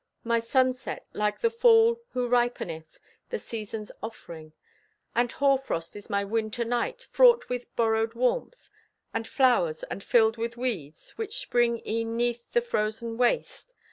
My sunset, like the fall who ripeneth The season's offerings. And hoar frost Is my winter night, fraught with borrowed warmth, And flowers, and filled with weeds, Which spring e'en 'neath the frozen waste?